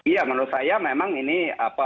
ya menurut saya memang ini apa